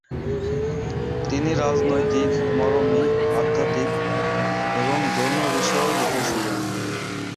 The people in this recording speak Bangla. তিনি রাজনৈতিক, মরমী, আধ্যাত্মিক এবং ধর্মীয় বিষয়েও লিখেছিলেন।